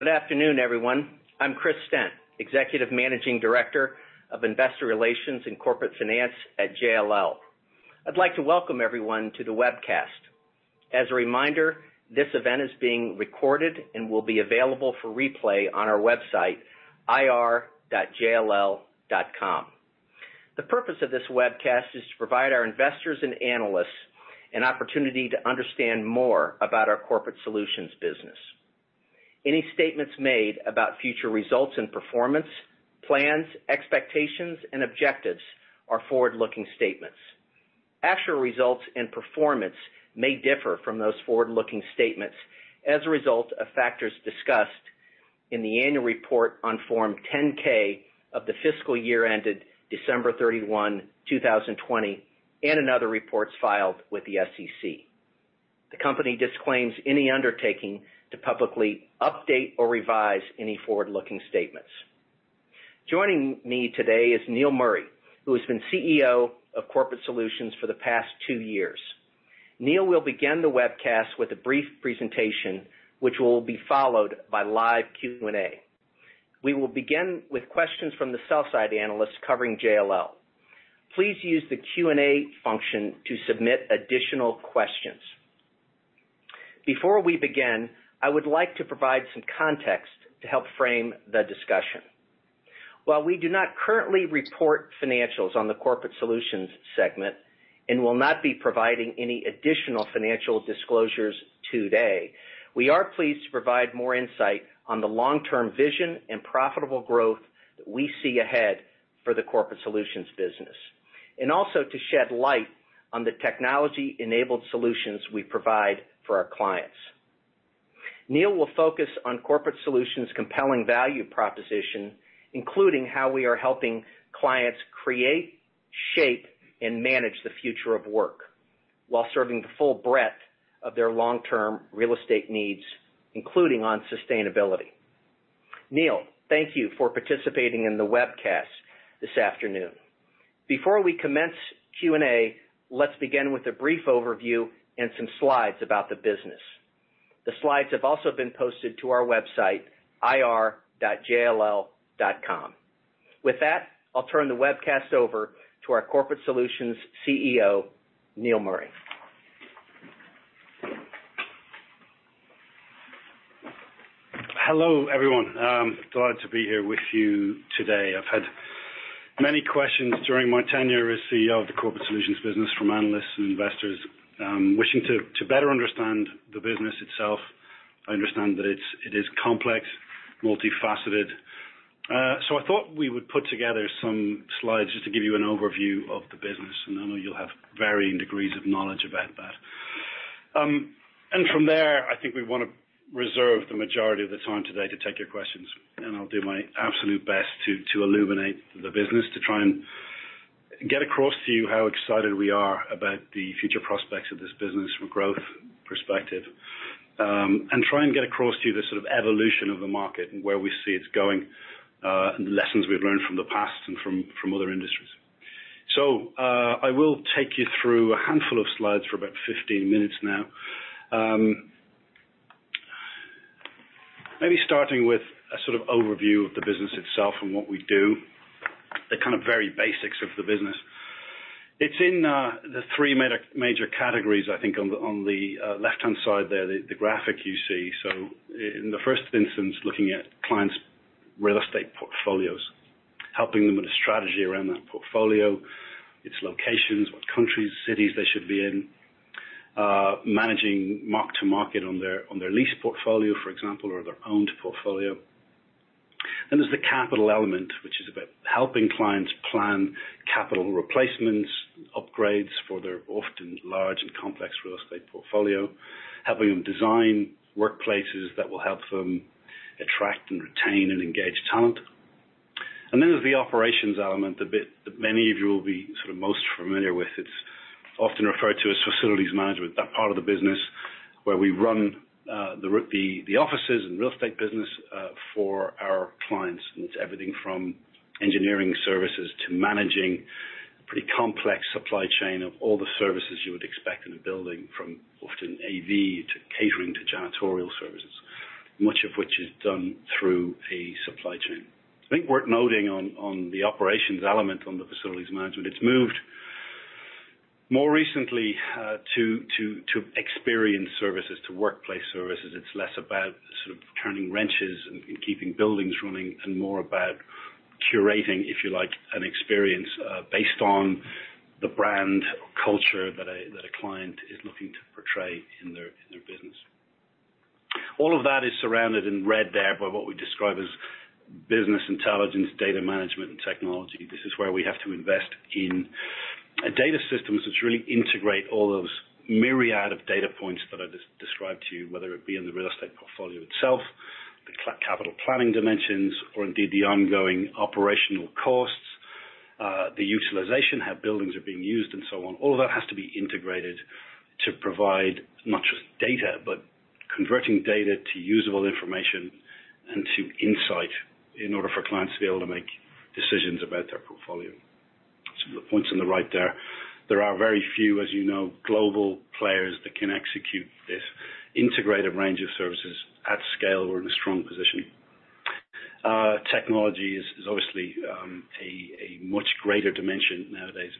Good afternoon, everyone. I'm Chris Stent, Executive Managing Director of Investor Relations and Corporate Finance at JLL. I'd like to welcome everyone to the webcast. As a reminder, this event is being recorded and will be available for replay on our website, ir.jll.com. The purpose of this webcast is to provide our investors and analysts an opportunity to understand more about our Corporate Solutions business. Any statements made about future results and performance, plans, expectations, and objectives are forward-looking statements. Actual results and performance may differ from those forward-looking statements as a result of factors discussed in the annual report on Form 10-K of the fiscal year ended December 31, 2020, and in other reports filed with the SEC. The company disclaims any undertaking to publicly update or revise any forward-looking statements. Joining me today is Neil Murray, who has been CEO of Corporate Solutions for the past two years. Neil will begin the webcast with a brief presentation, which will be followed by live Q&A. We will begin with questions from the sell side analysts covering JLL. Please use the Q&A function to submit additional questions. Before we begin, I would like to provide some context to help frame the discussion. While we do not currently report financials on the Corporate Solutions segment and will not be providing any additional financial disclosures today, we are pleased to provide more insight on the long-term vision and profitable growth that we see ahead for the Corporate Solutions business, and also to shed light on the technology-enabled solutions we provide for our clients. Neil will focus on Corporate Solutions' compelling value proposition, including how we are helping clients create, shape, and manage the future of work while serving the full breadth of their long-term real estate needs, including on sustainability. Neil, thank you for participating in the webcast this afternoon. Before we commence Q&A, let's begin with a brief overview and some slides about the business. The slides have also been posted to our website, ir.jll.com. With that, I'll turn the webcast over to our Corporate Solutions CEO, Neil Murray. Hello, everyone. I'm glad to be here with you today. I've had many questions during my tenure as CEO of the Corporate Solutions business from analysts and investors, wishing to better understand the business itself. I understand that it is complex, multifaceted. I thought we would put together some slides just to give you an overview of the business. I know you'll have varying degrees of knowledge about that. From there, I think we want to reserve the majority of the time today to take your questions, and I'll do my absolute best to illuminate the business to try and get across to you how excited we are about the future prospects of this business from a growth perspective, and try and get across to you the evolution of the market and where we see it going, and the lessons we've learned from the past and from other industries. I will take you through a handful of slides for about 15 minutes now. Maybe starting with an overview of the business itself and what we do, the very basics of the business. It's in the three major categories, I think on the left-hand side there, the graphic you see. In the first instance, looking at clients' real estate portfolios, helping them with a strategy around that portfolio, its locations, what countries, cities they should be in, managing mark-to-market on their lease portfolio, for example, or their owned portfolio. There's the capital element, which is about helping clients plan capital replacements, upgrades for their often large and complex real estate portfolio, helping them design workplaces that will help them attract and retain and engage talent. There's the operations element, the bit that many of you will be most familiar with. It's often referred to as facilities management, that part of the business where we run the offices and real estate business for our clients. It's everything from engineering services to managing the complex supply chain of all the services you would expect in a building, from often AV to catering to janitorial services, much of which is done through a supply chain. I think worth noting on the operations element, on the facilities management, it's moved more recently to experience services, to workplace services. It's less about turning wrenches and keeping buildings running, and more about curating, if you like, an experience based on the brand culture that a client is looking to portray in their business. All of that is surrounded in red there by what we describe as business intelligence, data management, and technology. This is where we have to invest in data systems which really integrate all those myriad of data points that I just described to you, whether it be in the real estate portfolio itself, the capital planning dimensions, or indeed the ongoing operational costs, the utilization, how buildings are being used, and so on. All that has to be integrated to provide not just data, but converting data to usable information and to insight in order for clients to be able to make decisions about their portfolio. The points on the right there. There are very few, as you know, global players that can execute this integrated range of services at scale or in a strong position. Technology is obviously a much greater dimension nowadays,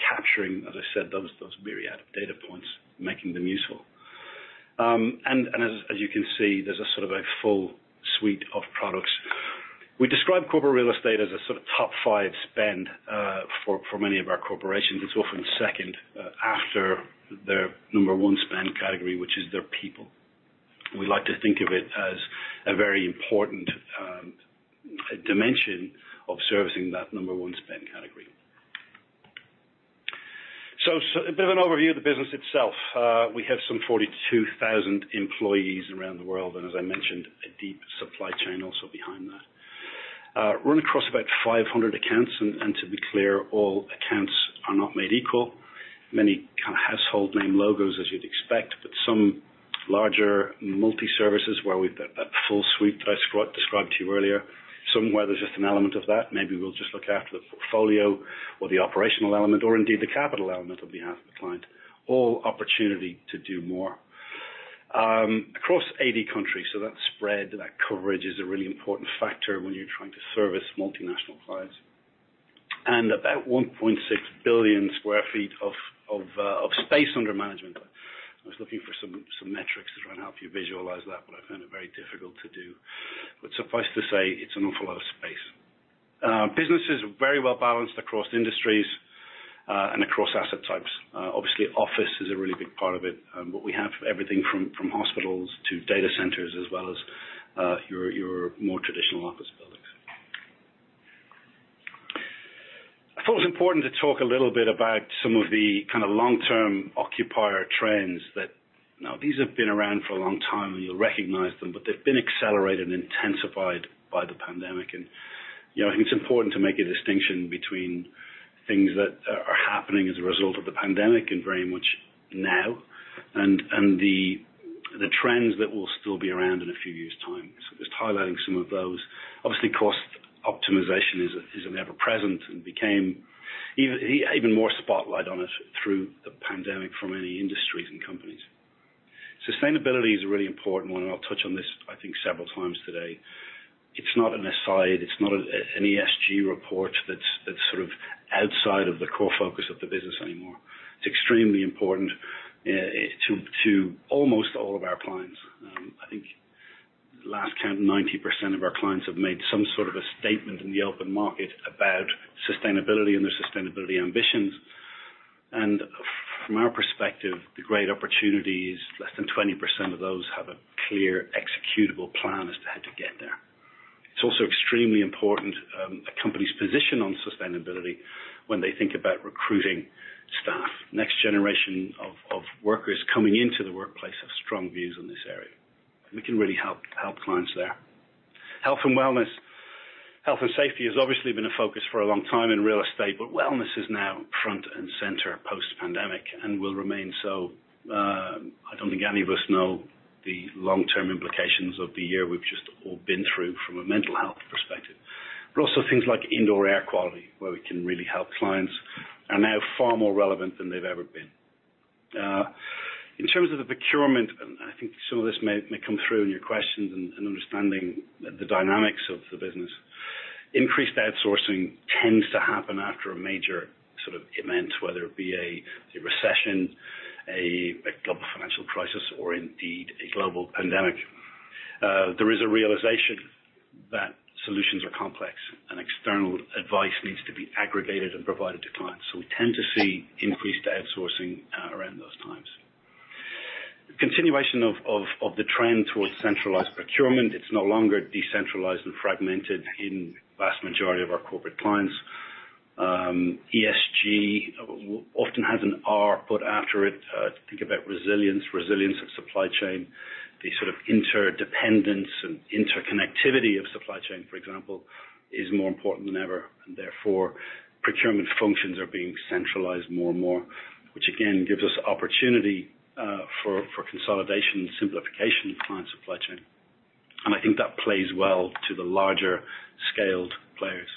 capturing, as I said, those myriad data points, making them useful. As you can see, there's a full suite of products. We describe corporate real estate as a top five spend for many of our corporations. It's often second after their number one spend category, which is their people. We like to think of it as a very important dimension of servicing that number one spend category. A bit of an overview of the business itself. We have some 42,000 employees around the world, and as I mentioned, a deep supply chain also behind that. Run across about 500 accounts, and to be clear, all accounts are not made equal. Many household name logos as you'd expect, but some larger multi-services where we've got that full suite that I described to you earlier. Some where there's just an element of that. Maybe we'll just look after the portfolio or the operational element or indeed the capital element on behalf of the client. All opportunity to do more. Across 80 countries. That spread, that coverage is a really important factor when you're trying to service multinational clients. About 1.6 billion sq ft of space under management. I was looking for some metrics to try and help you visualize that, but I found it very difficult to do. Suffice to say, it's an awful lot of space. Businesses are very well-balanced across industries and across asset types. Obviously, office is a really big part of it, but we have everything from hospitals to data centers, as well as your more traditional office buildings. I thought it was important to talk a little bit about some of the long-term occupier trends that these have been around for a long time, and you'll recognize them, but they've been accelerated and intensified by the pandemic. I think it's important to make a distinction between things that are happening as a result of the pandemic and very much now, and the trends that will still be around in a few years' time. Just highlighting some of those. Obviously, cost optimization is ever-present and became even more spotlight on it through the pandemic for many industries and companies. Sustainability is a really important one. I'll touch on this, I think, several times today. It's not an aside, it's not an ESG report that's outside of the core focus of the business anymore. It's extremely important to almost all of our clients. I think last count, 90% of our clients have made some sort of a statement in the open market about sustainability and their sustainability ambitions. From our perspective, the great opportunity is less than 20% of those have a clear executable plan as to how to get there. It is also extremely important, a company's position on sustainability when they think about recruiting staff. Next generation of workers coming into the workplace have strong views on this area, and we can really help clients there. Health and wellness. Health and safety has obviously been a focus for a long time in real estate, but wellness is now front and center post-pandemic and will remain so. I don't think any of us know the long-term implications of the year we've just all been through from a mental health perspective. Also things like indoor air quality, where we can really help clients are now far more relevant than they've ever been. In terms of the procurement, I think some of this may come through in your questions and understanding the dynamics of the business. Increased outsourcing tends to happen after a major event, whether it be a recession, a global financial crisis, or indeed a global pandemic. There is a realization that solutions are complex and external advice needs to be aggregated and provided to clients. We tend to see increased outsourcing around those times. The continuation of the trend towards centralized procurement. It's no longer decentralized and fragmented in the vast majority of our corporate clients. ESG often has an R put after it to think about resilience. Resilience of supply chain, the sort of interdependence and interconnectivity of supply chain, for example, is more important than ever, and therefore procurement functions are being centralized more and more, which again gives us opportunity for consolidation and simplification of client supply chain. I think that plays well to the larger scaled players.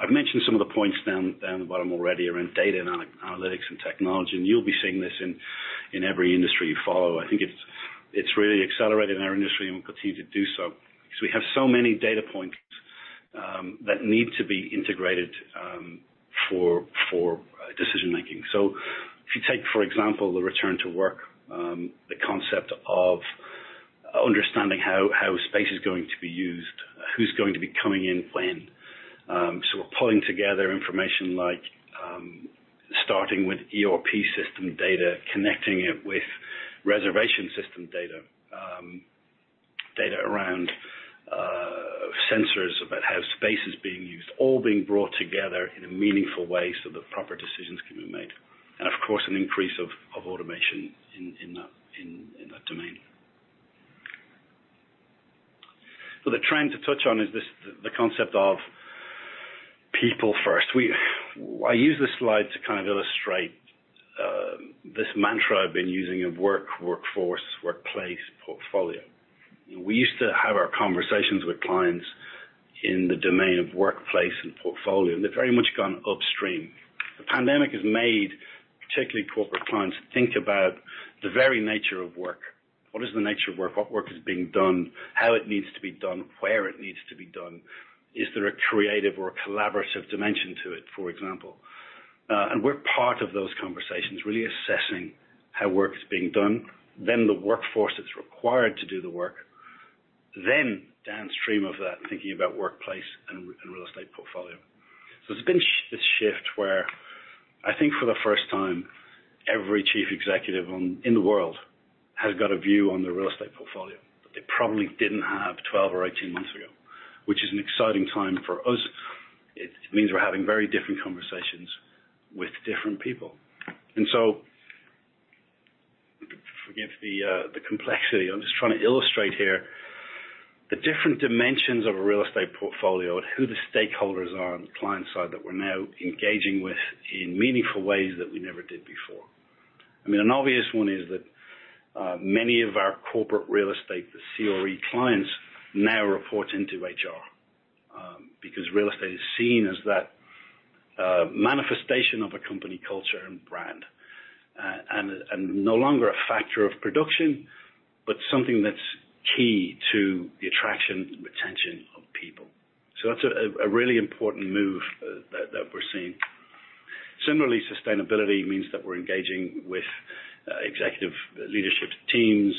I've mentioned some of the points now quite a while already around data analytics and technology, and you'll be seeing this in every industry you follow. I think it's really accelerated in our industry and will continue to do so because we have so many data points that need to be integrated for decision-making. If you take, for example, the return to work, the concept of understanding how space is going to be used, who's going to be coming in when. We're pulling together information like starting with ERP system data, connecting it with reservation system data. Data around sensors about how space is being used, all being brought together in a meaningful way so that proper decisions can be made. Of course, an increase of automation in that domain. The trend to touch on is the concept of people first. I use this slide to kind of illustrate this mantra I've been using of work, workforce, workplace, portfolio. We used to have our conversations with clients in the domain of workplace and portfolio, and they've very much gone upstream. The pandemic has made particularly corporate clients think about the very nature of work. What is the nature of work? What work is being done, how it needs to be done, where it needs to be done? Is there a creative or collaborative dimension to it, for example? We're part of those conversations, really assessing how work is being done, then the workforce that's required to do the work, then downstream of that, thinking about workplace and real estate portfolio. There's been this shift where I think for the first time, every chief executive in the world has got a view on their real estate portfolio that they probably didn't have 12 or 18 months ago, which is an exciting time for us. It means we're having very different conversations with different people. Forgive the complexity. I'm just trying to illustrate here the different dimensions of a real estate portfolio and who the stakeholders are on the client side that we're now engaging with in meaningful ways that we never did before. An obvious one is that many of our corporate real estate, the CRE clients now report into HR, because real estate is seen as that manifestation of a company culture and brand, and no longer a factor of production, but something that's key to the attraction and retention of people. That's a really important move that we're seeing. Similarly, sustainability means that we're engaging with executive leadership teams,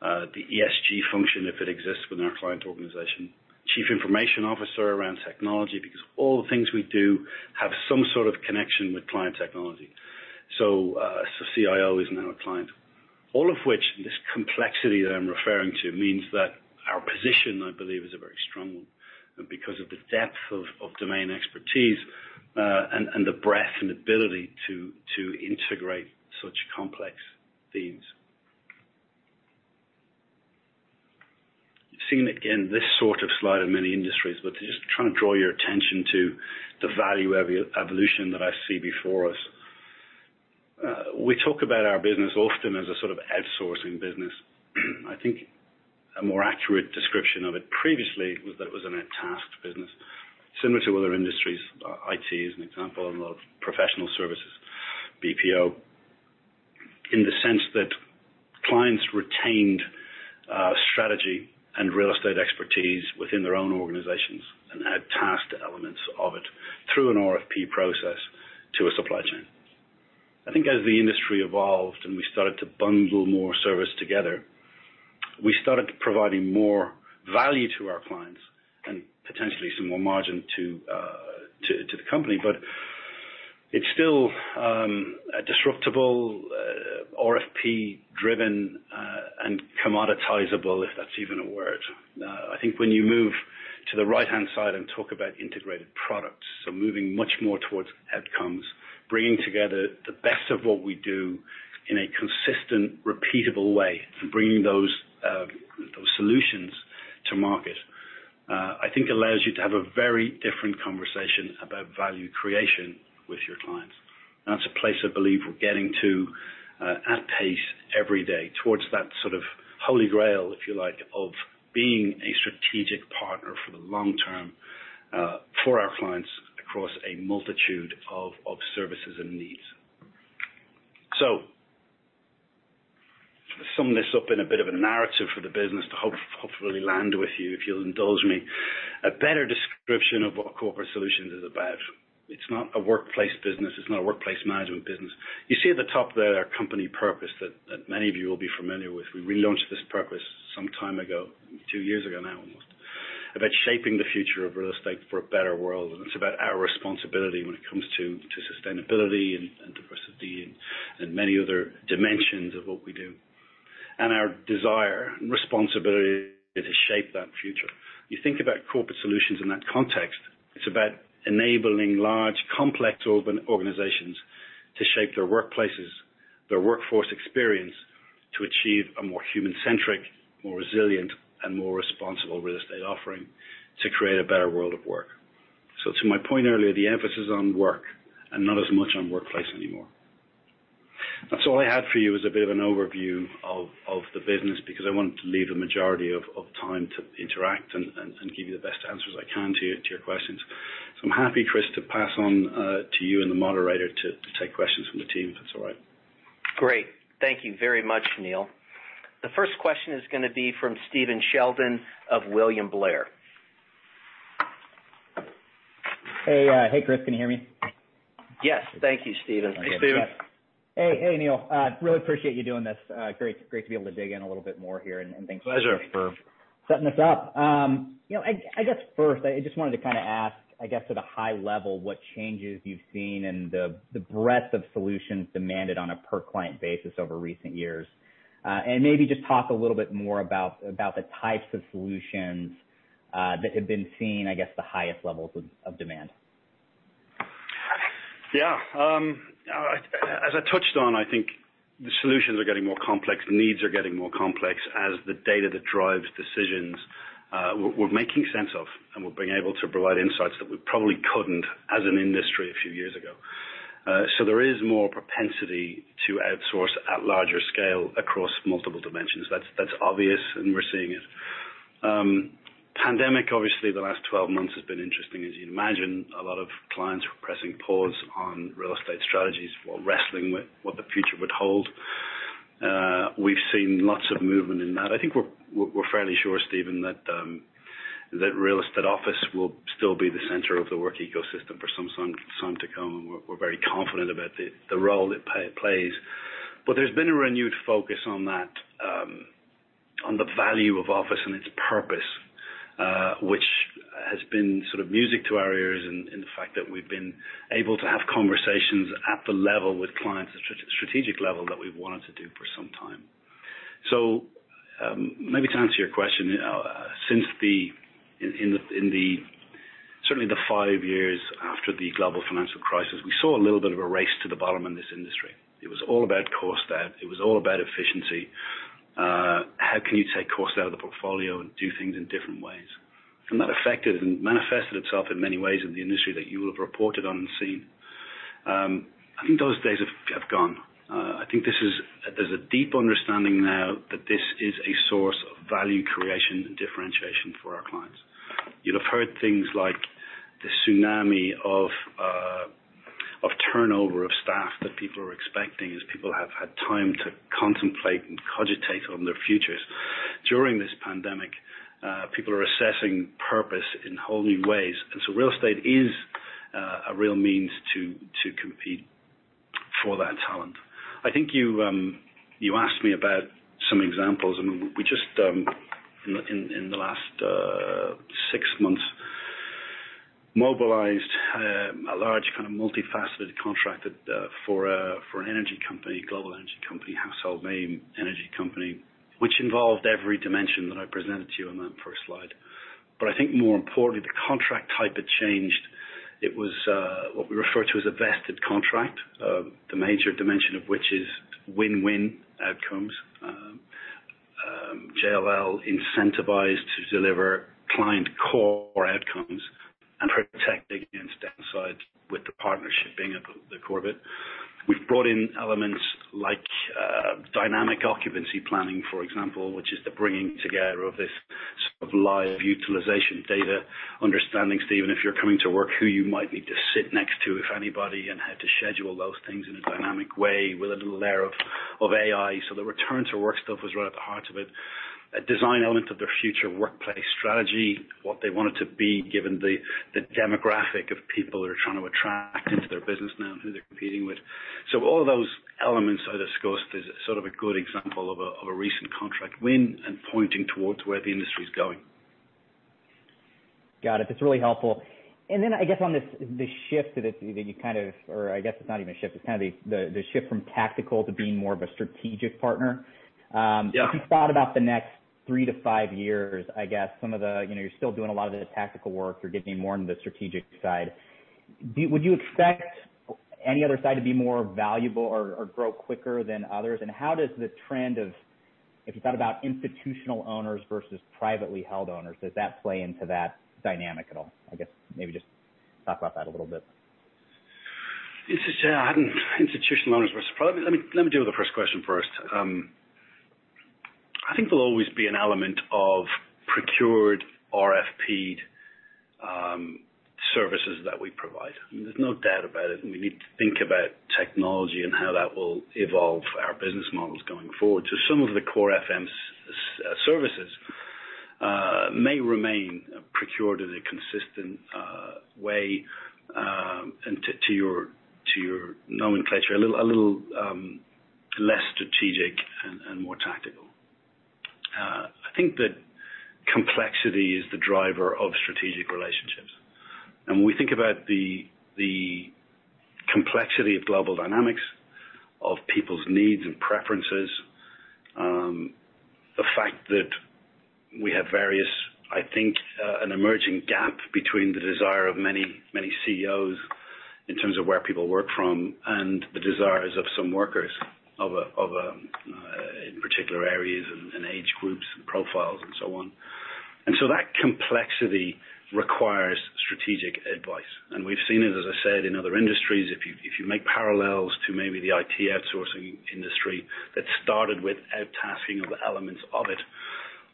the ESG function, if it exists within our client organization, chief information officer around technology, because all the things we do have some sort of connection with client technology. CIO is now a client. All of which, this complexity that I'm referring to, means that our position, I believe, is a very strong one. Because of the depth of domain expertise and the breadth and ability to integrate such complex themes. You've seen it in this sort of slide in many industries, but just try and draw your attention to the value evolution that I see before us. We talk about our business often as a sort of outsourcing business. I think a more accurate description of it previously was that it was an out-tasked business similar to other industries. IT is an example, and professional services, BPO, in the sense that clients retained strategy and real estate expertise within their own organizations and out-tasked elements of it through an RFP process to a supply chain. I think as the industry evolved and we started to bundle more service together, we started providing more value to our clients and potentially some more margin to the company. It's still a disruptable, RFP-driven, and commoditizable, if that's even a word. I think when you move to the right-hand side and talk about integrated products, moving much more towards outcomes, bringing together the best of what we do in a consistent, repeatable way and bringing those solutions to market, I think allows you to have a very different conversation about value creation with your clients. That's a place I believe we're getting to at pace every day towards that sort of holy grail, if you like, of being a strategic partner for the long term for our clients across a multitude of services and needs. To sum this up in a bit of a narrative for the business to hopefully land with you, if you'll indulge me, a better description of what Corporate Solutions is about. It's not a workplace business. It's not a workplace management business. You see at the top there our company purpose that maybe you'll be familiar with. We relaunched this purpose some time ago, two years ago now, almost, about Shaping the Future of Real Estate for a Better World. It's about our responsibility when it comes to sustainability and diversity and many other dimensions of what we do, and our desire and responsibility to shape that future. You think about Corporate Solutions in that context, it's about enabling large, complex organizations to shape their workplaces, their workforce experience to achieve a more human-centric, more resilient, and more responsible real estate offering to create a better world of work. To my point earlier, the emphasis on work and not as much on workplace anymore. That's all I had for you as a bit of an overview of the business because I wanted to leave the majority of time to interact and give you the best answers I can to your questions. I'm happy, Chris, to pass on to you and the moderator to take questions from the team, if that's all right. Great. Thank you very much, Neil. The first question is going to be from Stephen Sheldon of William Blair. Hey, Chris. Can you hear me? Yes. Thank you, Stephen. Me too. Hey, Neil. Really appreciate you doing this. Great to be able to dig in a little bit more here. Pleasure for setting this up. I guess first, I just wanted to ask, I guess at a high level what changes you've seen in the breadth of solutions demanded on a per-client basis over recent years. Maybe just talk a little bit more about the types of solutions that have been seeing, I guess, the highest levels of demand. Yeah. As I touched on, I think the solutions are getting more complex, needs are getting more complex as the data that drives decisions we're making sense of and we're being able to provide insights that we probably couldn't as an industry a few years ago. There is more propensity to outsource at larger scale across multiple dimensions. That's obvious, and we're seeing it. Pandemic, obviously, the last 12 months has been interesting, as you imagine. A lot of clients were pressing pause on real estate strategies while wrestling with what the future would hold. We've seen lots of movement in that. I think we're fairly sure, Stephen, that real estate office will still be the center of the work ecosystem for some time to come. We're very confident about the role it plays. There's been a renewed focus on the value of office and its purpose, which has been music to our ears and the fact that we've been able to have conversations at the level with clients, the strategic level that we've wanted to do for some time. Maybe to answer your question, certainly in the five years after the global financial crisis, we saw a little bit of a race to the bottom in this industry. It was all about cost out, it was all about efficiency. How can you take cost out of the portfolio and do things in different ways? That affected and manifested itself in many ways in the industry that you have reported on and seen. I think those days have gone. I think there's a deep understanding now that this is a source of value creation and differentiation for our clients. You'll have heard things like the tsunami of turnover of staff that people are expecting as people have had time to contemplate and cogitate on their futures. During this pandemic, people are assessing purpose in whole new ways. Real estate is a real means to compete for that talent. I think you asked me about some examples, and we just, in the last six months, mobilized a large kind of multifaceted contract for an energy company, global energy company, household name energy company, which involved every dimension that I presented to you on that first slide. I think more importantly, the contract type had changed. It was what we refer to as a Vested agreement, the major dimension of which is win-win outcomes. JLL incentivized to deliver client core outcomes and protecting against downsides with the partnership being at the core of it. We've brought in elements like Dynamic occupancy planning, for example, which is the bringing together of this sort of live utilization data, understanding, Stephen, if you're coming to work, who you might need to sit next to, if anybody, and how to schedule those things in a dynamic way with a little layer of AI. The return-to-work stuff was right at the heart of it. A design element of their future workplace strategy, what they want it to be given the demographic of people they're trying to attract into their business now and who they're competing with. All those elements I discussed is a good example of a recent contract win and pointing towards where the industry is going. Got it. That's really helpful. Then I guess on the shift, or I guess it's not even a shift, it's the shift from tactical to being more of a strategic partner. Yeah. If you thought about the next three to five years, I guess some of the, you're still doing a lot of the tactical work, you're getting more into the strategic side. Would you expect any other side to be more valuable or grow quicker than others? How does the trend of, if you thought about institutional owners versus privately held owners, does that play into that dynamic at all? I guess maybe just talk about that a little bit. Institutional owners versus private. Let me deal with the first question first. I think there'll always be an element of procured RFP services that we provide. There's no doubt about it. We need to think about technology and how that will evolve our business models going forward. Some of the core FM services may remain procured in a consistent way, and to your nomenclature, a little less strategic and more tactical. I think that complexity is the driver of strategic relationships. When we think about the complexity of global dynamics, of people's needs and preferences, the fact that we have various, I think, an emerging gap between the desire of many CEOs in terms of where people work from and the desires of some workers in particular areas and age groups and profiles and so on. That complexity requires strategic advice. We've seen it, as I said, in other industries. If you make parallels to maybe the IT outsourcing industry that started with out-tasking of elements of it.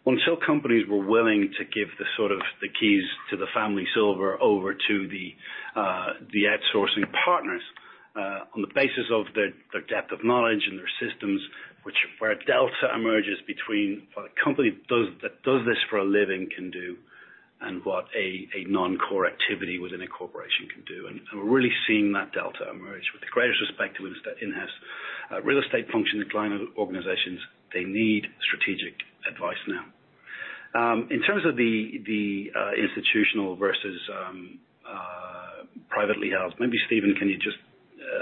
Until companies were willing to give the keys to the family silver over to the outsourcing partners, on the basis of their depth of knowledge and their systems, where a delta emerges between what a company that does this for a living can do and what a non-core activity within a corporation can do. We're really seeing that delta emerge with the greatest respect to in-house. Real estate functions of client organizations, they need strategic advice now. In terms of the institutional versus privately held, maybe, Stephen Sheldon, can you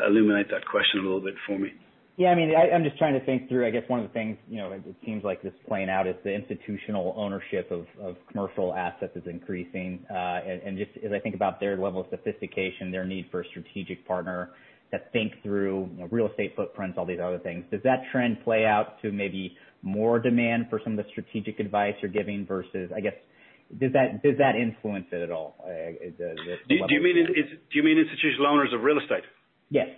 illuminate that question a little bit for me. Yeah. I'm just trying to think through, I guess one of the things, it seems like this playing out is the institutional ownership of commercial assets is increasing. Just as I think about their level of sophistication, their need for a strategic partner to think through real estate footprints, all these other things, does that trend play out to maybe more demand for some of the strategic advice you're giving versus, I guess, does that influence it at all, this level of? Do you mean institutional owners of real estate? Yes.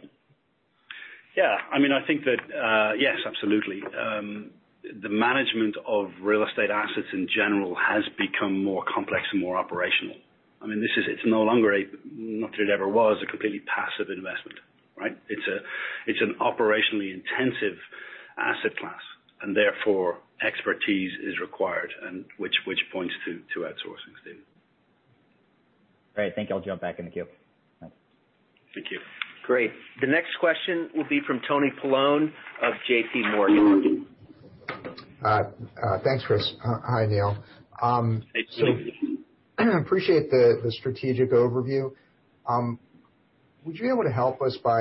Yeah. I think that, yes, absolutely. The management of real estate assets in general has become more complex and more operational. It no longer, not that it ever was, a completely passive investment, right? It's an operationally intensive asset class, and therefore expertise is required, and which points to outsourcing, Stephen. Great. Thank you. I'll jump back in the queue. Hmm. Thank you. Great. The next question will be from Tony Paolone of JPMorgan. Thanks, Chris. Hi, Neil. Hey, Tony. Appreciate the strategic overview. Would you be able to help us by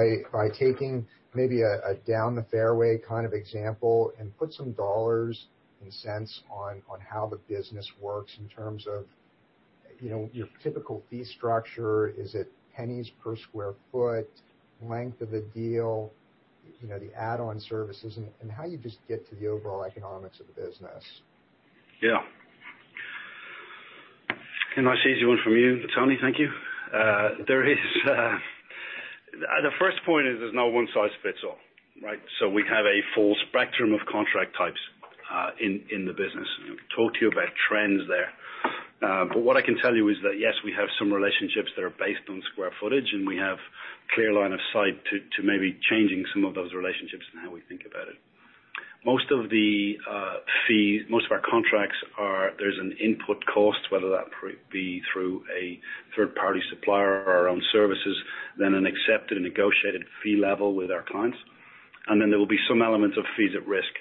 taking maybe a down-the-fairway kind of example and put some dollars and cents on how the business works in terms of your typical fee structure? Is it pennies per square foot, length of a deal, the add-on services, and how you just get to the overall economics of the business? Yeah. Nice easy one from you, Tony. Thank you. The first point is there's no one-size-fits-all, right? We have a full spectrum of contract types in the business. I've talked to you about trends there. What I can tell you is that, yes, we have some relationships that are based on square footage, and we have clear line of sight to maybe changing some of those relationships and how we think about it. Most of our contracts are, there's an input cost, whether that be through a third-party supplier or our own services, then an accepted negotiated fee level with our clients. Then there will be some element of fees at risk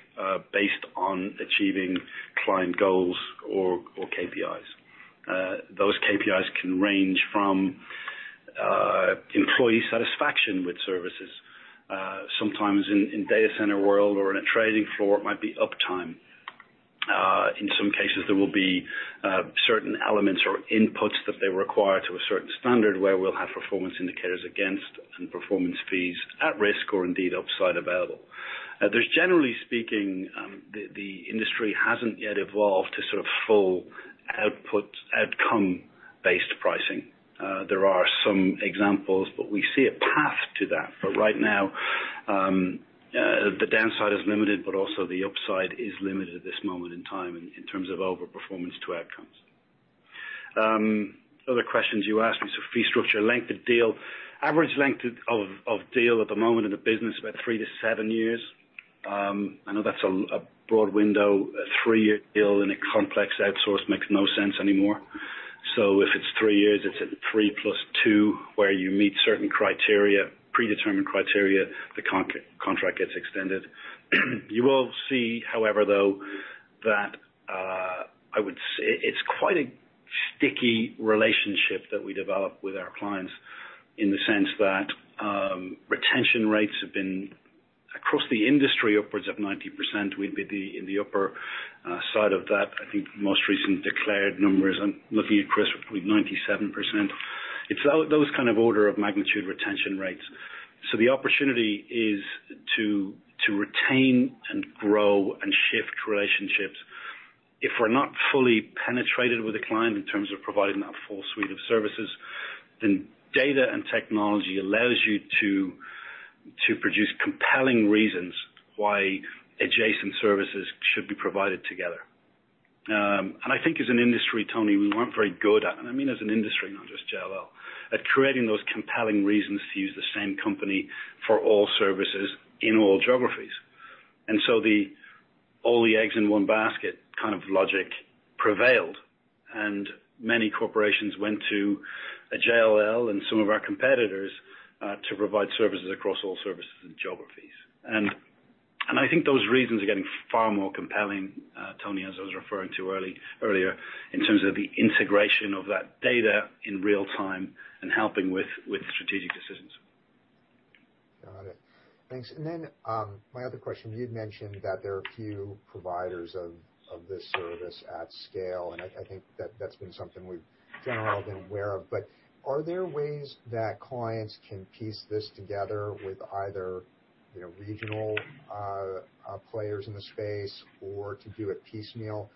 based on achieving client goals or KPIs. Those KPIs can range from employee satisfaction with services. Sometimes in data center world or in a trading floor, it might be uptime. In some cases, there will be certain elements or inputs that they require to a certain standard where we'll have performance indicators against and performance fees at risk or indeed upside available. Generally speaking, the industry hasn't yet evolved to full outcome-based pricing. There are some examples. We see a path to that. Right now, the downside is limited. Also, the upside is limited at this moment in time in terms of over-performance to outcomes. Other questions you asked me: fee structure, length of deal. Average length of deal at the moment in the business is about three to seven years. I know that's a broad window. A three-year deal in a complex outsource makes no sense anymore. If it's three years, it's at three plus two, where you meet certain criteria, predetermined criteria, the contract gets extended. You will see, however, though, that it's quite a sticky relationship that we develop with our clients in the sense that retention rates have been across the industry upwards of 90%. We'd be in the upper side of that. I think the most recent declared numbers, I'm looking at Chris, were up at 97%. It's those kind of order of magnitude retention rates. The opportunity is to retain and grow and shift relationships. If we're not fully penetrated with a client in terms of providing that full suite of services, then data and technology allows you to produce compelling reasons why adjacent services should be provided together. I think as an industry, Tony, we weren't very good at, and I mean as an industry, not just JLL, at creating those compelling reasons to use the same company for all services in all geographies. All the eggs in one basket kind of logic prevailed, and many corporations went to a JLL and some of our competitors to provide services across all services and geographies. I think those reasons are getting far more compelling, Tony, as I was referring to earlier, in terms of the integration of that data in real time and helping with strategic decisions. Got it. Thanks. My other question, you mentioned that there are few providers of this service at scale, and I think that that's been something we've generally been aware of. Are there ways that clients can piece this together with either regional players in the space or to do it piecemeal?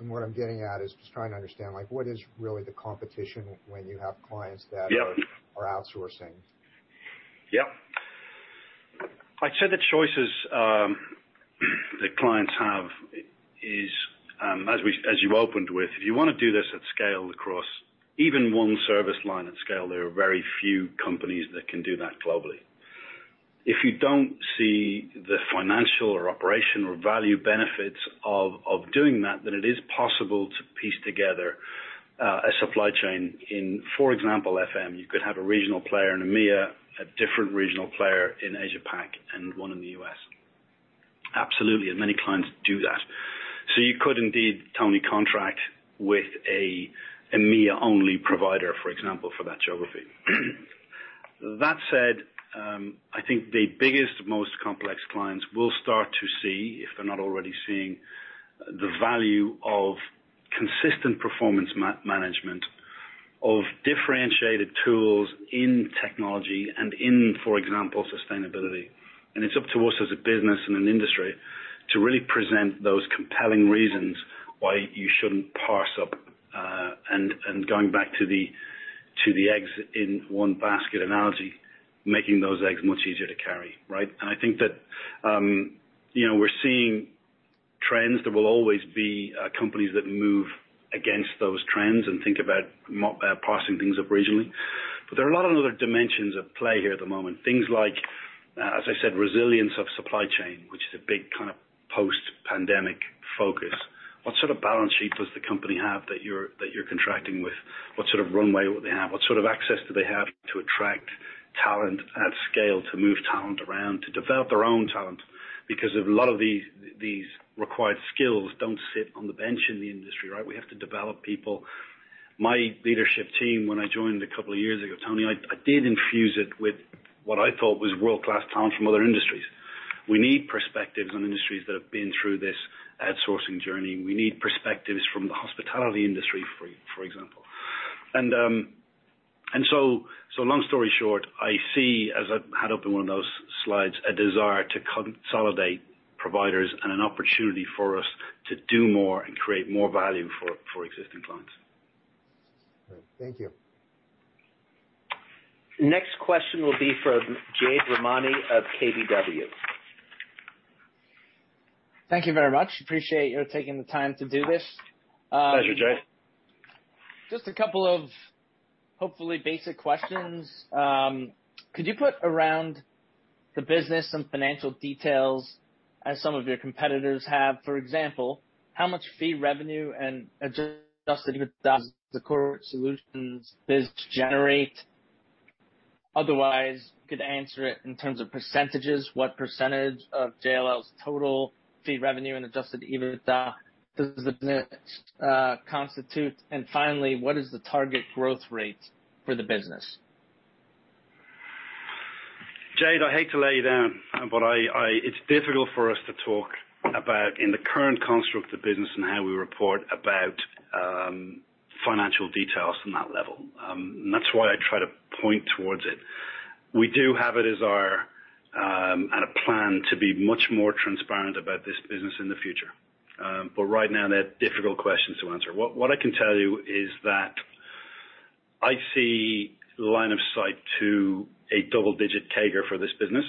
What I'm getting at is just trying to understand what is really the competition when you have clients that are. Yep outsourcing? Yep. I'd say the choices that clients have is, as you opened with, if you want to do this at scale across even one service line at scale, there are very few companies that can do that globally. If you don't see the financial or operational value benefits of doing that, it is possible to piece together a supply chain in, for example, FM. You could have a regional player in EMEA, a different regional player in Asia-Pac, and one in the U.S. Absolutely. Many clients do that. You could indeed, Tony, contract with an EMEA-only provider, for example, for that geography. That said, I think the biggest, most complex clients will start to see, if they're not already seeing, the value of consistent performance management, of differentiated tools in technology and in, for example, sustainability. It's up to us as a business and an industry to really present those compelling reasons why you shouldn't parse up, and going back to the eggs in one basket analogy, making those eggs much easier to carry, right? I think that we're seeing trends. There will always be companies that move against those trends and think about parsing things up regionally. There are a lot of other dimensions at play here at the moment. Things like, as I said, resilience of supply chain, which is a big kind of post-pandemic focus. What sort of balance sheet does the company have that you're contracting with? What sort of runway will they have? What sort of access do they have to attract talent at scale, to move talent around, to develop their own talent? Because a lot of these required skills don't sit on the bench in the industry, right? We have to develop people. My leadership team, when I joined a couple of years ago, Tony, I did infuse it with what I thought was world-class talent from other industries. We need perspectives on industries that have been through this outsourcing journey. We need perspectives from the hospitality industry, for example. Long story short, I see, as I had up in one of those slides, a desire to consolidate providers and an opportunity for us to do more and create more value for existing clients. Great. Thank you. Next question will be from Jade Rahmani of KBW. Thank you very much. Appreciate your taking the time to do this. Pleasure, Jade. Just a couple of hopefully basic questions. Could you put around the business and financial details as some of your competitors have? For example, how much fee revenue and adjusted EBITDA does the Corporate Solutions biz generate? Otherwise, you could answer it in terms of percentages. What percentage of JLL's total fee revenue and adjusted EBITDA does the business constitute? Finally, what is the target growth rate for the business? Jade, I hate to let you down, it's difficult for us to talk about in the current construct of the business and how we report about financial details from that level. That's why I try to point towards it. We do have a desire and a plan to be much more transparent about this business in the future. Right now, they're difficult questions to answer. What I can tell you is that I see line of sight to a double-digit CAGR for this business.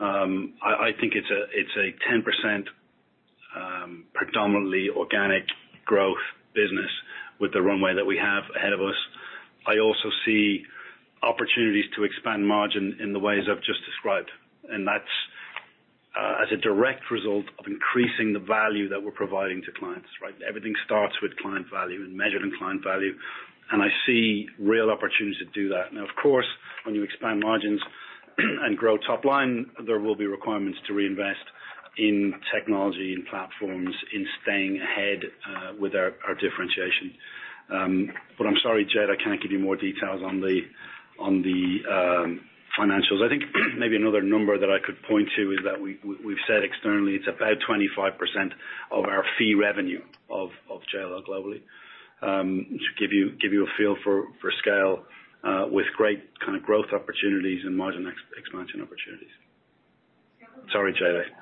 I think it's a 10% predominantly organic growth business with the runway that we have ahead of us. I also see opportunities to expand margin in the ways I've just described, and that's as a direct result of increasing the value that we're providing to clients, right? Everything starts with client value and measured in client value, and I see real opportunities to do that. Of course, when you expand margins and grow top line, there will be requirements to reinvest in technology and platforms, in staying ahead with our differentiation. I'm sorry, Jade, I can't give you more details on the financials. I think maybe another number that I could point to is that we've said externally it's about 25% of our fee revenue of JLL globally. To give you a feel for scale with great kind of growth opportunities and margin expansion opportunities. Sorry, Jade.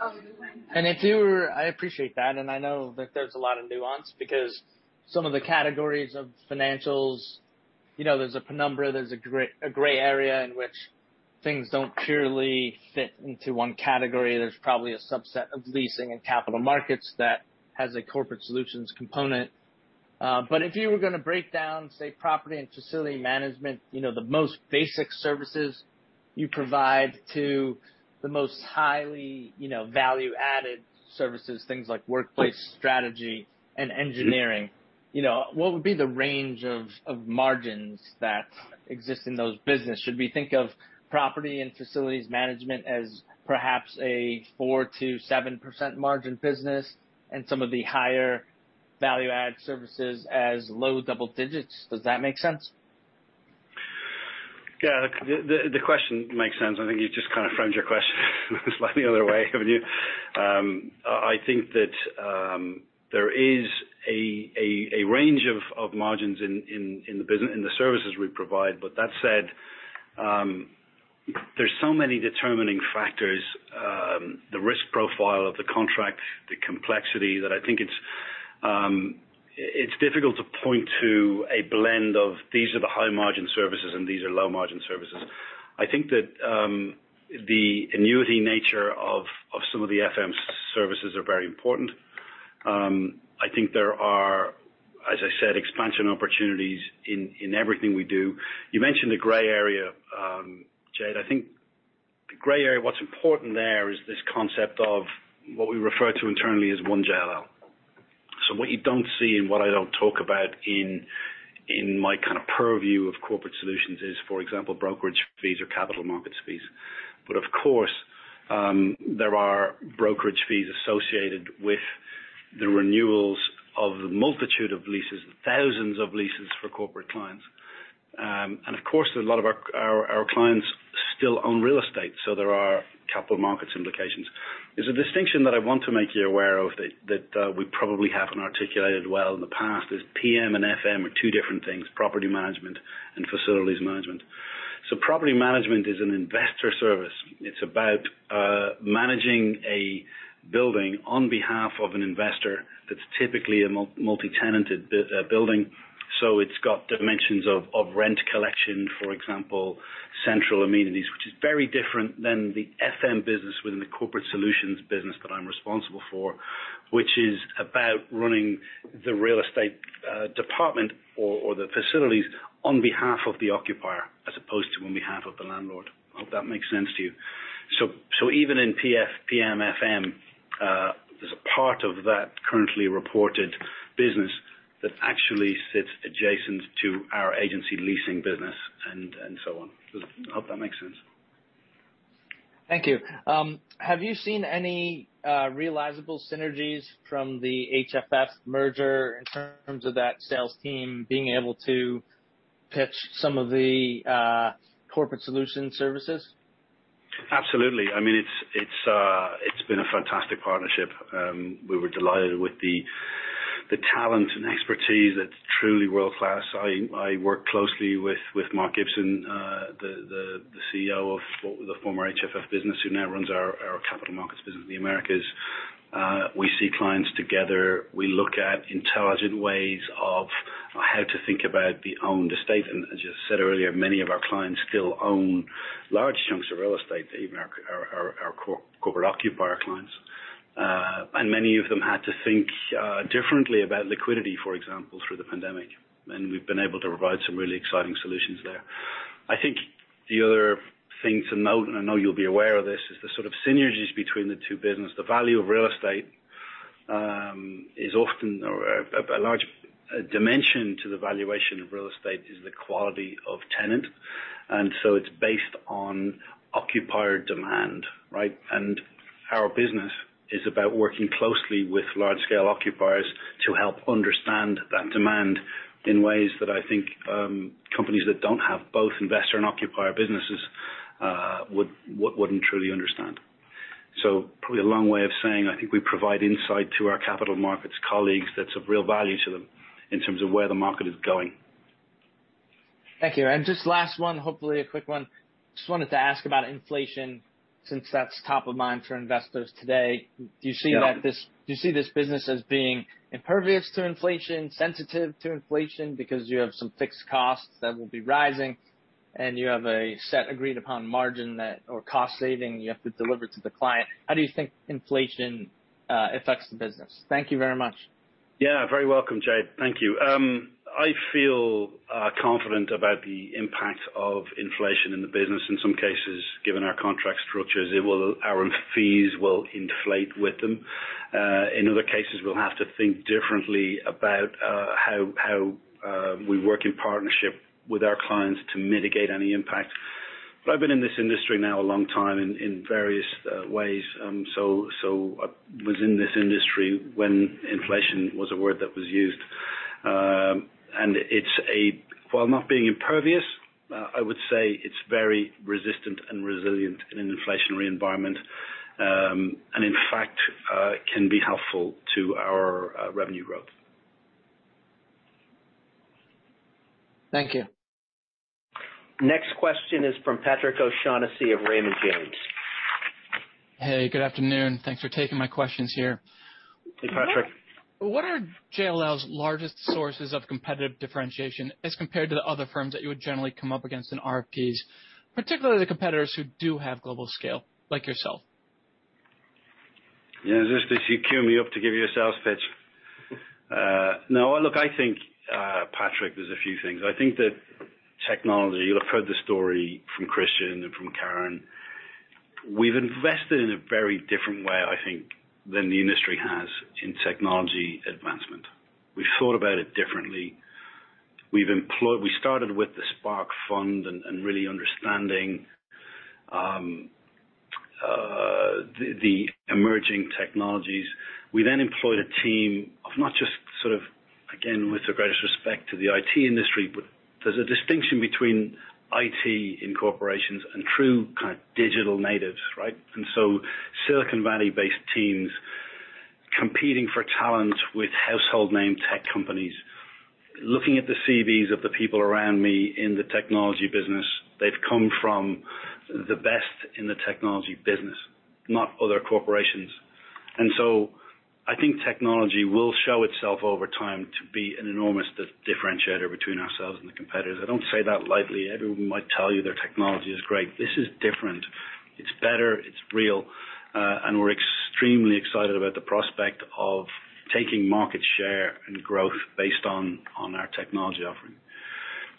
I appreciate that, I know that there's a lot of nuance because some of the categories of financials, there's a penumbra, there's a gray area in which things don't clearly fit into one category. There's probably a subset of leasing and Capital Markets that has a Corporate Solutions component. If you were going to break down, say, property and facility management, the most basic services you provide to the most highly value-added services, things like workplace strategy and engineering, what would be the range of margins that exist in those businesses? Should we think of property and facilities management as perhaps a 4%-7% margin business and some of the higher value-added services as low double digits? Does that make sense? Yeah. The question makes sense. I think you've just kind of framed your question slightly other way, haven't you? I think that there is a range of margins in the services we provide. That said, there's so many determining factors, the risk profile of the contract, the complexity, that I think it's difficult to point to a blend of these are the high margin services and these are low margin services. I think that the annuity nature of some of the FM services are very important. I think there are, as I said, expansion opportunities in everything we do. You mentioned the gray area, Jade. I think the gray area, what's important there is this concept of what we refer to internally as One JLL. What you don't see and what I don't talk about in my purview of Corporate Solutions is, for example, brokerage fees or Capital Markets fees. Of course, there are brokerage fees associated with the renewals of the multitude of leases, thousands of leases for corporate clients. Of course, a lot of our clients still own real estate, so there are Capital Markets implications. There's a distinction that I want to make you aware of that we probably haven't articulated well in the past, is PM and FM are two different things, property management and facilities management. Property management is an investor service. It's about managing a building on behalf of an investor that's typically a multi-tenanted building. It's got dimensions of rent collection, for example, central amenities, which is very different than the FM business within the Corporate Solutions business that I'm responsible for, which is about running the real estate department or the facilities on behalf of the occupier as opposed to on behalf of the landlord. I hope that makes sense to you. Even in PF, PM, FM, there's a part of that currently reported business that actually sits adjacent to our agency leasing business and so on. I hope that makes sense. Thank you. Have you seen any realizable synergies from the HFF merger in terms of that sales team being able to pitch some of the Corporate Solutions services? Absolutely. It's been a fantastic partnership. We were delighted with the talent and expertise that's truly world-class. I work closely with Mark Gibson, the CEO of the former HFF business, who now runs our Capital Markets business in the Americas. We see clients together. We look at intelligent ways of how to think about the owned estate. As you said earlier, many of our clients still own large chunks of real estate, even our corporate occupier clients. Many of them had to think differently about liquidity, for example, through the pandemic. We've been able to provide some really exciting solutions there. I think the other thing to note, and I know you'll be aware of this, is the sort of synergies between the two businesses. The value of real estate is often, or a large dimension to the valuation of real estate is the quality of tenant. It's based on occupier demand, right? Our business is about working closely with large-scale occupiers to help understand that demand in ways that I think companies that don't have both investor and occupier businesses wouldn't truly understand. Probably a long way of saying I think we provide insight to our Capital Markets colleagues that's of real value to them in terms of where the market is going. Thank you. Just last one, hopefully a quick one. Just wanted to ask about inflation since that's top of mind for investors today. Yeah. Do you see this business as being impervious to inflation, sensitive to inflation because you have some fixed costs that will be rising and you have a set agreed upon margin that or cost saving you have to deliver to the client? How do you think inflation affects the business? Thank you very much. Yeah. Very welcome, Jade. Thank you. I feel confident about the impact of inflation in the business. In some cases, given our contract structures, our fees will inflate with them. In other cases, we'll have to think differently about how we work in partnership with our clients to mitigate any impact. I've been in this industry now a long time in various ways. I was in this industry when inflation was a word that was used. While not being impervious, I would say it's very resistant and resilient in an inflationary environment, and in fact, can be helpful to our revenue growth. Thank you. Next question is from Patrick O'Shaughnessy of Raymond James. Hey, good afternoon. Thanks for taking my questions here. Hey, Patrick. What are JLL's largest sources of competitive differentiation as compared to the other firms that you would generally come up against in RFPs, particularly the competitors who do have global scale like yourself? Is this you queue me up to give your sales pitch? No, look, I think, Patrick, there's a few things. I think that technology, you'll have heard the story from Christian and from Karen. We've invested in a very different way, I think, than the industry has in technology advancement. We've thought about it differently. We started with the Spark fund and really understanding the emerging technologies. We then employed a team of not just sort of, again, with the greatest respect to the IT industry, but there's a distinction between IT in corporations and true digital natives, right? Silicon Valley-based teams competing for talent with household name tech companies. Looking at the CVs of the people around me in the technology business, they've come from the best in the technology business, not other corporations. I think technology will show itself over time to be an enormous differentiator between ourselves and competitors. I don't say that lightly. Everyone might tell you their technology is great. This is different. It's better, it's real, and we're extremely excited about the prospect of taking market share and growth based on our technology offering.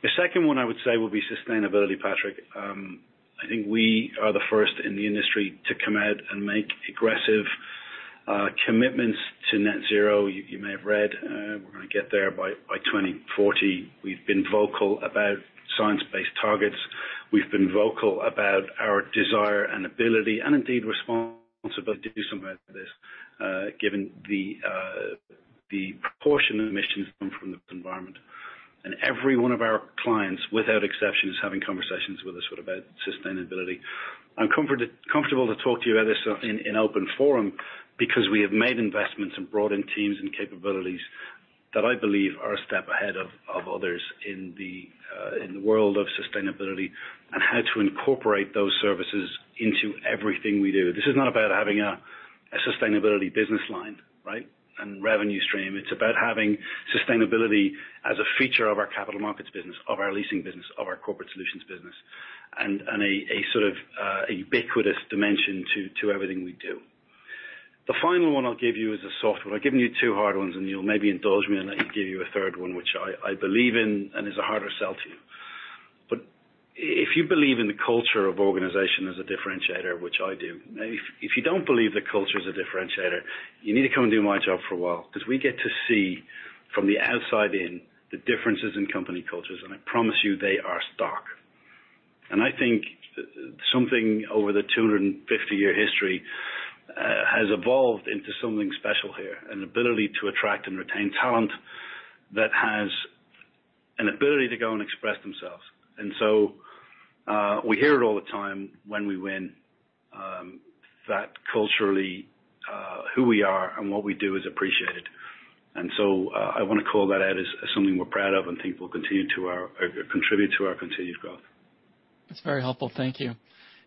The second one I would say would be sustainability, Patrick. I think we are the first in the industry to come out and make aggressive commitments to net zero. You may have read, we're going to get there by 2040. We've been vocal about science-based targets. We've been vocal about our desire and ability, and indeed responsibility to do something about this given the proportion of emissions coming from this environment. Every one of our clients, without exception, is having conversations with us about sustainability. I'm comfortable to talk to you about this in open forum because we have made investments and brought in teams and capabilities that I believe are a step ahead of others in the world of sustainability and how to incorporate those services into everything we do. This is not about having a sustainability business line, right, and revenue stream. It's about having sustainability as a feature of our Capital Markets business, of our leasing business, of our Corporate Solutions business, and a sort of ubiquitous dimension to everything we do. The final one I'll give you is a soft one. I've given you two hard ones, and you'll maybe indulge me and let me give you a third one, which I believe in and is a harder sell to you. If you believe in the culture of organization as a differentiator, which I do. Now if you don't believe that culture is a differentiator, you need to come do my job for a while because we get to see from the outside in the differences in company cultures, and I promise you they are stark. I think something over the 250-year history has evolved into something special here, an ability to attract and retain talent that has an ability to go and express themselves. We hear it all the time when we win, that culturally who we are and what we do is appreciated. I want to call that out as something we're proud of and think will contribute to our continued growth. That's very helpful. Thank you.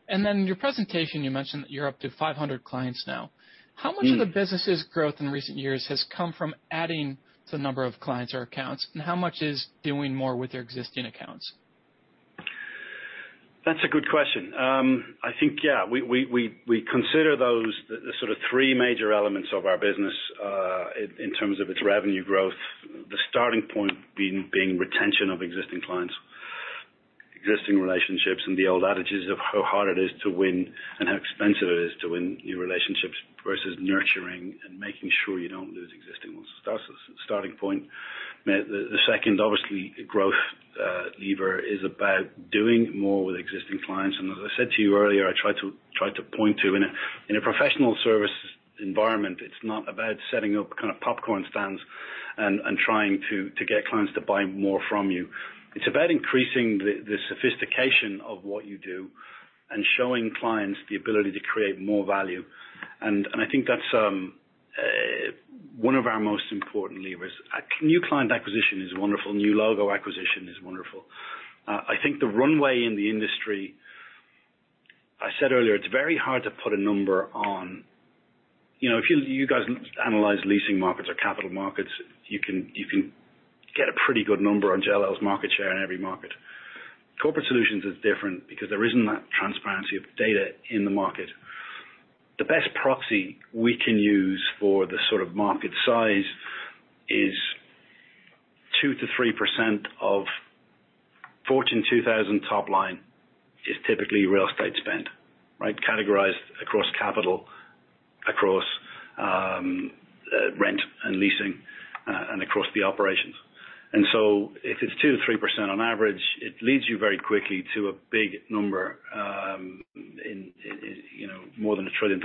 Then in your presentation, you mentioned that you're up to 500 clients now. Yeah. How much of the business's growth in recent years has come from adding to the number of clients or accounts, and how much is doing more with your existing accounts? That's a good question. I think, yeah, we consider those the three major elements of our business, in terms of its revenue growth, the starting point being retention of existing clients, existing relationships, and the old adages of how hard it is to win and how expensive it is to win new relationships versus nurturing and making sure you don't lose existing ones. That's the starting point. The second obviously growth lever is about doing more with existing clients. As I said to you earlier, I tried to point to in a professional services environment, it's not about setting up popcorn stands and trying to get clients to buy more from you. It's about increasing the sophistication of what you do and showing clients the ability to create more value. I think that's one of our most important levers. New client acquisition is wonderful. New logo acquisition is wonderful. I think the runway in the industry, I said earlier, it's very hard to put a number on. If you guys analyze leasing markets or Capital Markets, you can get a pretty good number on JLL's market share in every market. Corporate Solutions is different because there isn't that transparency of data in the market. The best proxy we can use for the market size is 2%-3% of Global 2000 top line is typically real estate spend, right? Categorized across capital, across rent and leasing, and across the operations. If it's 2%-3% on average, it leads you very quickly to a big number, more than $1 trillion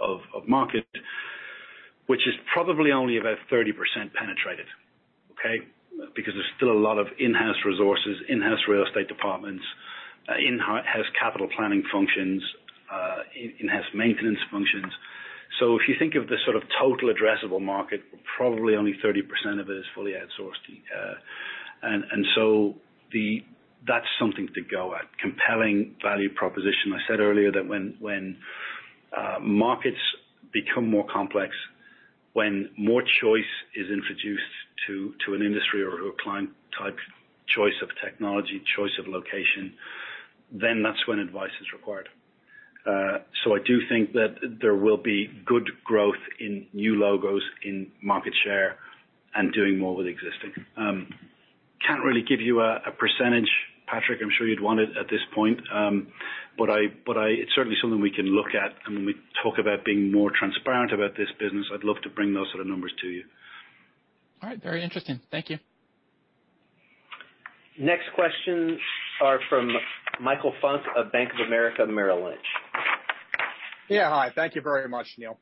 of market, which is probably only about 30% penetrated. Okay. Because there's still a lot of in-house resources, in-house real estate departments, in-house capital planning functions, in-house maintenance functions. If you think of the total addressable market, probably only 30% of it is fully outsourced. That's something to go at. Compelling value proposition. I said earlier that when markets become more complex, when more choice is introduced to an industry or to a client type, choice of technology, choice of location, then that's when advice is required. I do think that there will be good growth in new logos, in market share, and doing more with existing. Can't really give you a percentage, Patrick, I'm sure you'd want it at this point. It's certainly something we can look at when we talk about being more transparent about this business. I'd love to bring those sort of numbers to you. All right. Very interesting. Thank you. Next questions are from Michael Funk of Bank of America Merrill Lynch. Yeah. Hi. Thank you very much, Neil.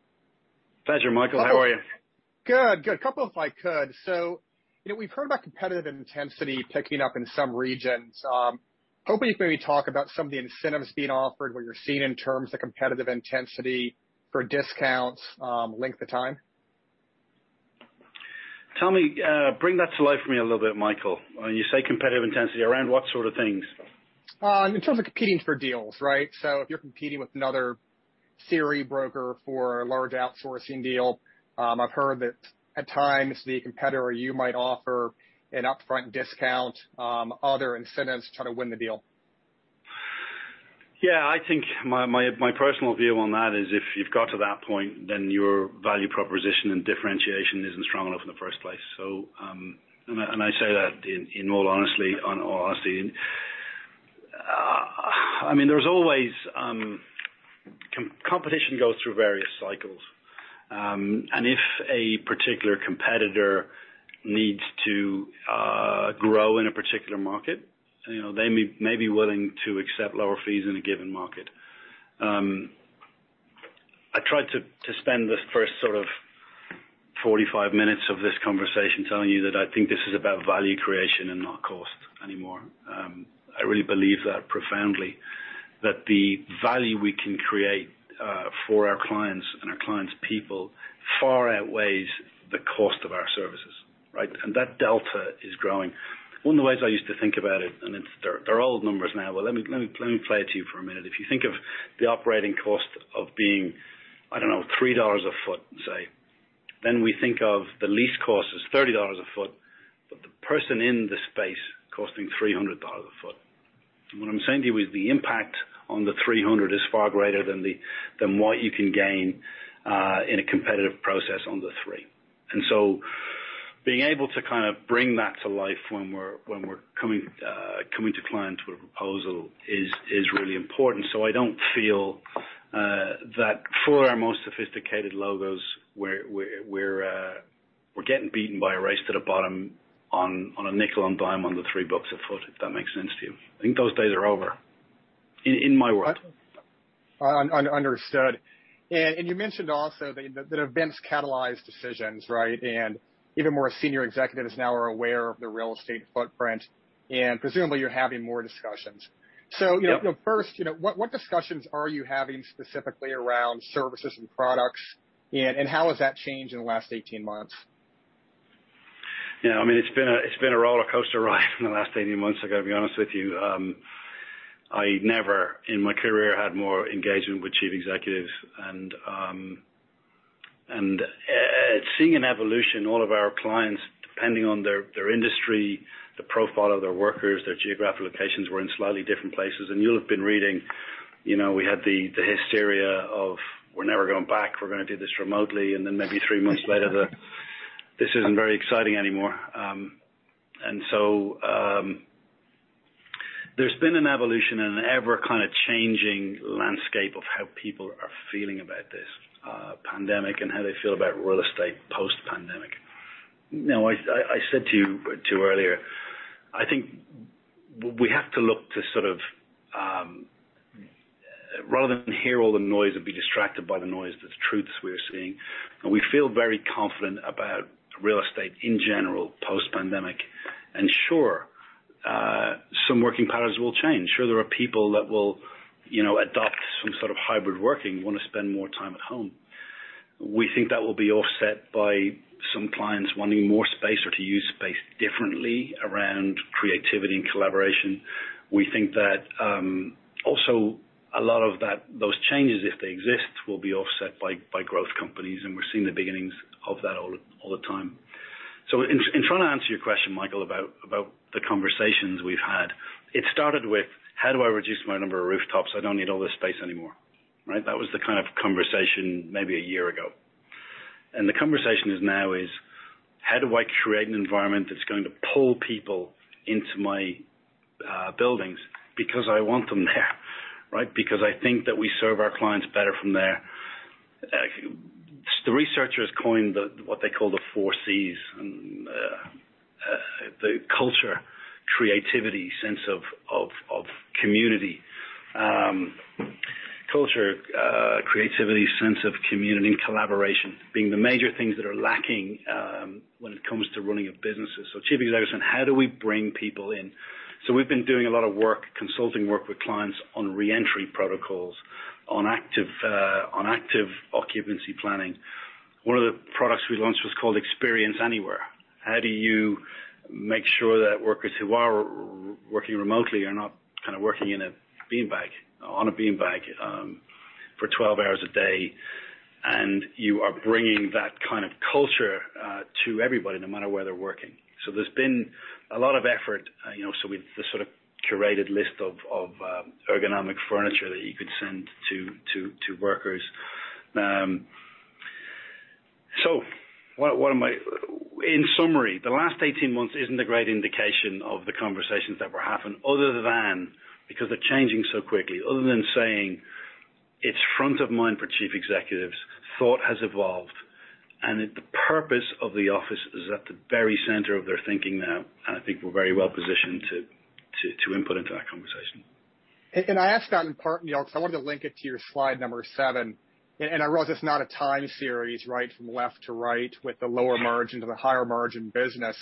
Pleasure, Michael. How are you? Good. A couple if I could. We've heard about competitive intensity picking up in some regions. Could we maybe talk about some of the incentives being offered, what you're seeing in terms of competitive intensity for discounts, length of time? Tell me, bring that to life for me a little bit, Michael. When you say competitive intensity, around what sort of things? In terms of competing for deals, right? If you're competing with another third-party broker for a large outsourcing deal, I've heard that at times the competitor you might offer an upfront discount, other incentives to try to win the deal. Yeah, I think my personal view on that is if you've got to that point, then your value proposition and differentiation isn't strong enough in the first place. I say that in all honesty. Competition goes through various cycles. If a particular competitor needs to grow in a particular market, they may be willing to accept lower fees in a given market. I tried to spend the first 45 minutes of this conversation telling you that I think this is about value creation and not cost anymore. I really believe that profoundly, that the value we can create for our clients and our clients' people far outweighs the cost of our services, right. That delta is growing. One of the ways I used to think about it, and they're old numbers now, but let me play it to you for a minute. If you think of the operating cost of being, I don't know, $3 a foot, say, then we think of the lease cost as $30 a foot, but the person in the space costing $300 a foot. What I'm saying to you is the impact on the $300 is far greater than what you can gain in a competitive process on the three. Being able to bring that to life when we're coming to clients with a proposal is really important. I don't feel that for our most sophisticated logos, we're getting beaten by a race to the bottom on a nickel and dime on the three bucks a foot, if that makes sense to you. I think those days are over in my world. Understood. You mentioned also that events catalyze decisions, right? Even more senior executives now are aware of their real estate footprint, and presumably you're having more discussions. Yeah. First, what discussions are you having specifically around services and products, and how has that changed in the last 18 months? Yeah, it's been a rollercoaster ride in the last 18 months, I've got to be honest with you. I never in my career had more engagement with chief executives. Seeing an evolution, all of our clients, depending on their industry, the profile of their workers, their geographic locations, were in slightly different places. You'll have been reading, we had the hysteria of, "We're never going back. We're going to do this remotely." Maybe three months later, the, "This isn't very exciting anymore." There's been an evolution and an ever-changing landscape of how people are feeling about this pandemic and how they feel about real estate post-pandemic. I said to you earlier, I think we have to look to, rather than hear all the noise or be distracted by the noise, there's truths we are seeing, and we feel very confident about real estate in general post-pandemic. Sure, some working patterns will change. Sure, there are people that will adopt some sort of hybrid working, want to spend more time at home. We think that will be offset by some clients wanting more space or to use space differently around creativity and collaboration. We think that also a lot of those changes, if they exist, will be offset by growth companies, and we're seeing the beginnings of that all the time. In trying to answer your question, Michael, about the conversations we've had, it started with, "How do I reduce my number of rooftops? I don't need all this space anymore." Right? That was the kind of conversation maybe a year ago. The conversation now is, "How do I create an environment that's going to pull people into my buildings because I want them there, because I think that we serve our clients better from there?" The researchers coined what they call the four Cs, the culture, creativity, sense of community. Culture, creativity, sense of community, and collaboration being the major things that are lacking when it comes to running a business. Chief executives saying, "How do we bring people in?" We've been doing a lot of work, consulting work with clients on re-entry protocols, on dynamic occupancy planning. One of the products we launched was called Experience / Anywhere. How do you make sure that workers who are working remotely are not working on a beanbag for 12 hours a day, and you are bringing that kind of culture to everybody no matter where they're working. There's been a lot of effort. We've this sort of curated list of ergonomic furniture that you could send to workers. In summary, the last 18 months isn't a great indication of the conversations that were happening other than because they're changing so quickly. Other than saying it's front of mind for chief executives, thought has evolved, and the purpose of the office is at the very center of their thinking now, and I think we're very well positioned to input into that conversation. Can I ask that in part, because I want to link it to your slide number seven, and I realize it's not a time series, right from left to right with the lower margin to the higher margin business.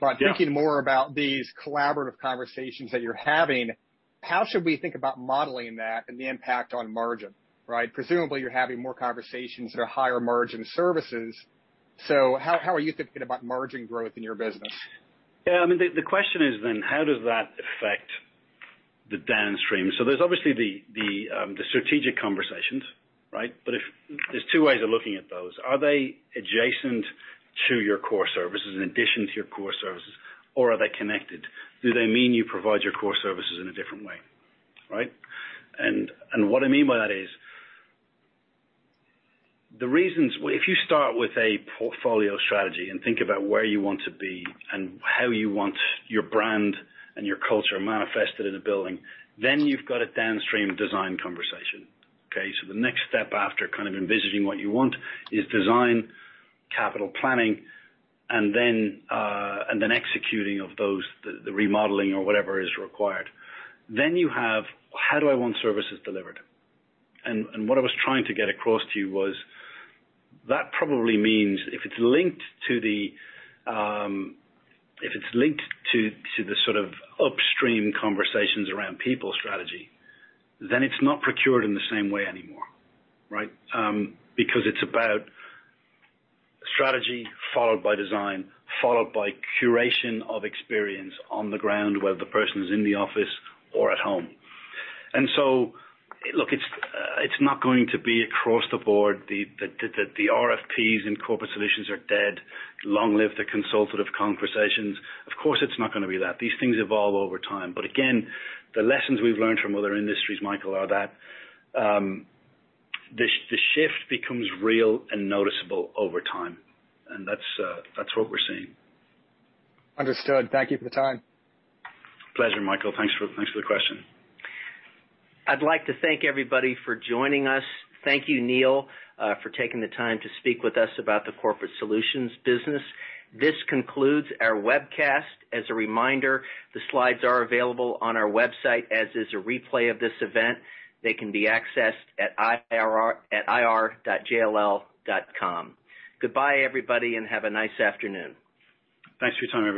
Yeah. Thinking more about these collaborative conversations that you're having, how should we think about modeling that and the impact on margin, right? Presumably, you're having more conversations that are higher margin services. How are you thinking about margin growth in your business? Yeah. The question is how does that affect the downstream? There's obviously the strategic conversations, right? There's two ways of looking at those. Are they adjacent to your core services, in addition to your core services, or are they connected? Do they mean you provide your core services in a different way? Right? What I mean by that is, if you start with a portfolio strategy and think about where you want to be and how you want your brand and your culture manifested in a building, you've got a downstream design conversation. Okay? The next step after kind of envisioning what you want is design, capital planning, and executing of those, the remodeling or whatever is required. You have, how do I want services delivered? What I was trying to get across to you was that probably means if it's linked to the sort of upstream conversations around people strategy, then it's not procured in the same way anymore, right? It's about strategy followed by design, followed by curation of experience on the ground, whether the person is in the office or at home. Look, it's not going to be across the board. The RFPs and Corporate Solutions are dead. Long live the consultative conversations. Of course, it's not going to be that. These things evolve over time. Again, the lessons we've learned from other industries, Michael, are that the shift becomes real and noticeable over time, and that's what we're seeing. Understood. Thank you for the time. Pleasure, Michael. Thanks for the question. I'd like to thank everybody for joining us. Thank you, Neil, for taking the time to speak with us about the Corporate Solutions business. This concludes our webcast. As a reminder, the slides are available on our website, as is a replay of this event. They can be accessed at ir.jll.com. Goodbye, everybody, and have a nice afternoon. Thanks for your time.